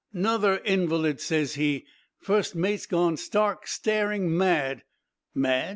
"'Nother invalid,' ses he; 'fust mate's gone stark, staring mad!' "'Mad?'